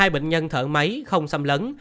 hai bệnh nhân thở máy không xăm lấn